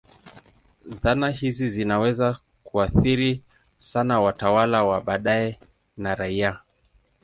Dhana hizi zinaweza kuathiri sana watawala wa baadaye na raia.